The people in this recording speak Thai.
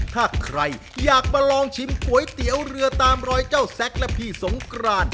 ถ้าใครอยากมาลองชิมก๋วยเตี๋ยวเรือตามรอยเจ้าแซ็กและพี่สงกราน